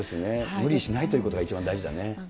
無理しないということが一番大事だね。